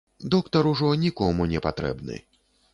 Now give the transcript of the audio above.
Доктар ужо нікому не патрэбны.